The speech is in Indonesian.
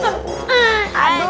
yes kita beruntung